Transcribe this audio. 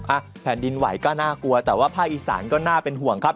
อ่ะแผ่นดินไหวก็น่ากลัวแต่ว่าภาคอีสานก็น่าเป็นห่วงครับ